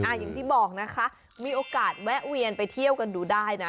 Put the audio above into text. อย่างที่บอกนะคะมีโอกาสแวะเวียนไปเที่ยวกันดูได้นะ